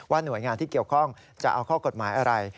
หน่วยงานที่เกี่ยวข้องจะเอาข้อกฎหมายอะไร